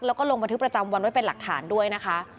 แล้วก็ลงบันทึกประจำวันไว้เป็นหลักฐานด้วยนะคะ